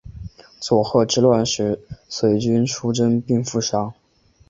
佐贺之乱时随军出征并负伤。